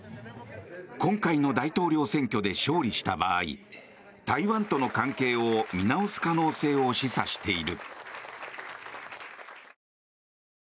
今回の大統領選挙で勝利した場合台湾との関係を見直す可能性を示唆している。